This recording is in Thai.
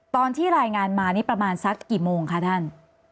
ตอนที่รายงานมานี่ประมาณสักกี่โมงคะท่าน